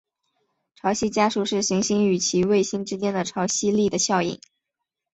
潮汐加速是行星与其卫星之间潮汐力的效应。